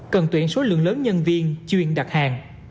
cần tuyển số lượng lớn nhân viên chuyên đặt hàng